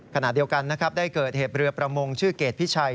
ขณะเดียวกันนะครับได้เกิดเหตุเรือประมงชื่อเกรดพิชัย